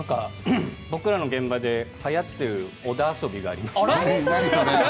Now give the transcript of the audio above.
僕らの現場ではやってる小田遊びがありまして。